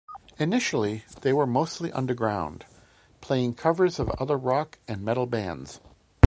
Initially, they were mostly underground, playing covers of other rock and metal bands.